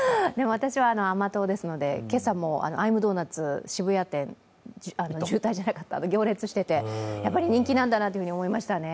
私は甘党ですので、今朝もアイムドーナツ？渋谷店、行列していて、やっぱり人気なんだなと思いましたね。